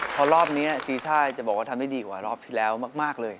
เพราะรอบนี้ซีซ่ายจะบอกว่าทำได้ดีกว่ารอบที่แล้วมากเลย